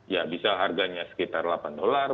ya bisa harganya sekitar delapan dolar